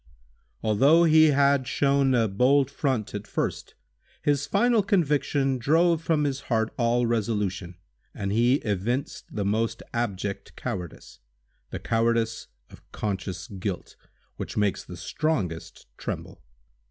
Although he had shown a bold front at first, his final conviction drove from his heart all resolution, and he evinced the most abject cowardice—the cowardice of conscious guilt, which makes the strongest tremble.